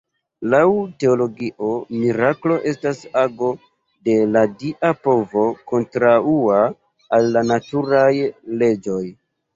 Laŭ Teologio, miraklo estas ago de la dia povo kontraŭa al la naturaj leĝoj.